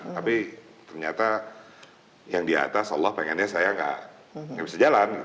tapi ternyata yang di atas allah pengennya saya nggak bisa jalan